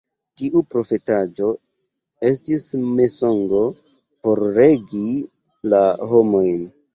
Tiu profetaĵo estis mensogo por regi la homojn.